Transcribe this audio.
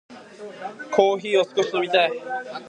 コーヒーを少し飲みたい。